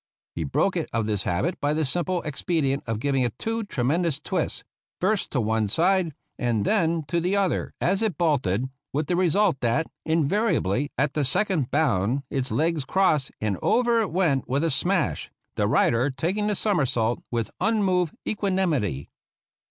He broke it of this habit by the simple expedient of giving it two tremendous twists, first to one side and then to the other, as it bolted, with the result that, invariably, at the second bound its legs crossed and over it went with a smash, the rider taking the somersault with unmoved equanimity.